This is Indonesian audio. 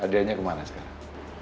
adriana kemana sekarang